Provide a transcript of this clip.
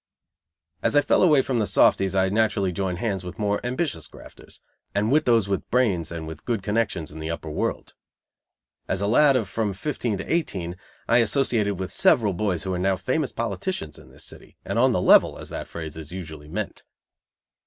As I fell away from the softies I naturally joined hands with more ambitious grafters, and with those with brains and with good connections in the upper world. As a lad of from fifteen to eighteen I associated with several boys who are now famous politicians in this city, and "on the level," as that phrase is usually meant.